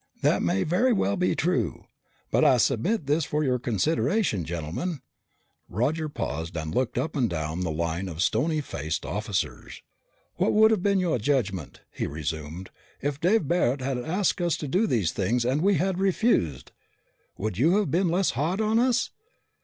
That may very well be true. But I submit this for your consideration, gentlemen " Roger paused and looked up and down the line of stony faced officers. "What would have been your judgment," he resumed, "if Dave Barret had asked us to do these things and we had refused? Would you have been less hard on us?